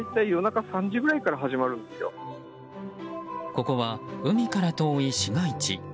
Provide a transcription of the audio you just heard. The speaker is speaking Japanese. ここは海から遠い市街地。